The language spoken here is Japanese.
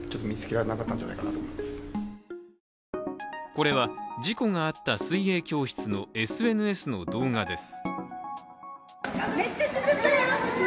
これは事故があった水泳教室のＳＮＳの動画です。